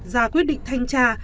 ra quyết định thanh tra